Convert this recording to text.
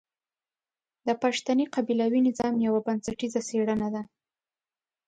د پښتني قبيلوي نظام يوه بنسټيزه څېړنه ده.